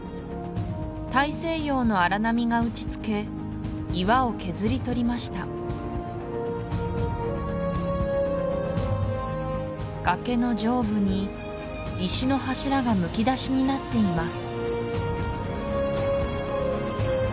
大西洋の荒波が打ちつけ岩を削り取りました崖の上部に石の柱がむき出しになっています